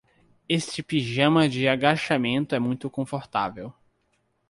Este pijama de agachamento é muito confortável.